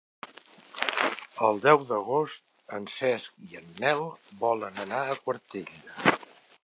El deu d'agost en Cesc i en Nel volen anar a Quartell.